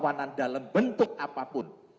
atau perlawanan dalam bentuk apapun